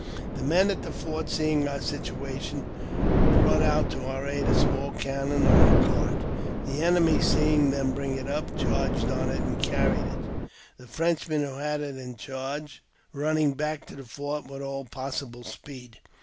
The men at the fort, seeing our situa tion, brought out to our aid a small cannon on a cart. The enemy, seeing them bring it up, charged on it and carried it, the Frenchmen who had it in charge running back to the fort with all possible speed.